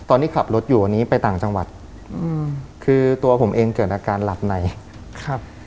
ตอนที่ขับรถอยู่อันนี้ไปต่างจังหวัดอืมคือตัวผมเองเกิดอาการหลับในครับ